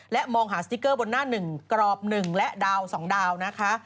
และมองหาสติกเกอร์บนหน้าหนึ่งกรอบหนึ่งและดาวน์สองดาวน์นะคะ